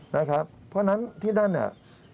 เพราะฉะนั้นที่นั่นเนี่ย